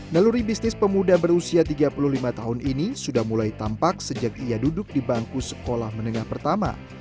naluri bisnis pemuda berusia tiga puluh lima tahun ini sudah mulai tampak sejak ia duduk di bangku sekolah menengah pertama